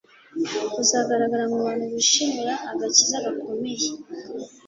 uzagaragara mu bantu bishimira agakiza gakomeye.